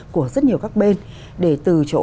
của rất nhiều các bên để từ chỗ